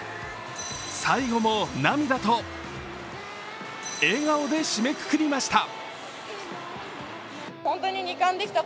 最後も涙と笑顔で締めくくりました。